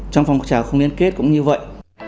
trong phòng trào không liên kết cũng như vậy